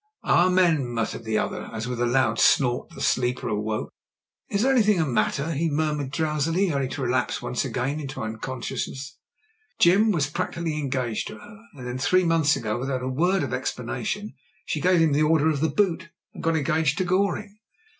"Amen," murmured the other, as, with a loud snort, the sleeper awoke. "Is an3rthing th' matter?" he murmured, drowsily, only to relapse at once into unconsciousness. "Jim was practically engaged to her; and then, three months ago, without a word of explanation, she gave him the order of the boot, and got engaged to Goring."